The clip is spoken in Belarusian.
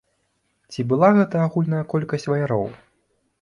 Ці была гэта агульная колькасць ваяроў?